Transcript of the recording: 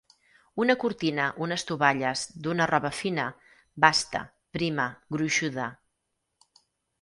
Una cortina, unes tovalles, d'una roba fina, basta, prima, gruixuda.